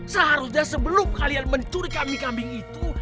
seharusnya sebelum kalian mencuri kambing kambing itu